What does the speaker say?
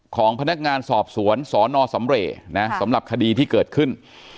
ของพนักงานสอบสวนสนสำเรนะสำหรับคดีที่เกิดขึ้น